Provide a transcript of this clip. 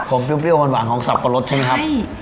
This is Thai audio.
ผมเปรี้ยวหวานของสับปะรดใช่ไหมครับ